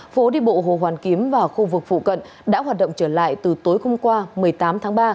phố đi bộ hồ hoàn kiếm và khu vực phụ cận đã hoạt động trở lại từ tối hôm qua một mươi tám tháng ba